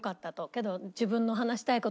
「けど自分の話したい事のね